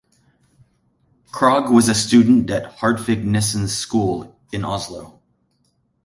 Krag was a student at Hartvig Nissens skole in Oslo.